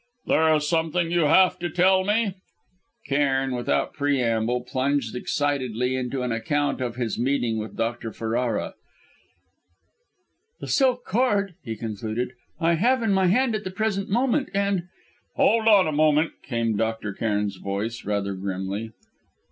"There is something you have to tell me?" Cairn, without preamble, plunged excitedly into an account of his meeting with Ferrara. "The silk cord," he concluded, "I have in my hand at the present moment, and " "Hold on a moment!" came Dr. Cairn's voice, rather grimly.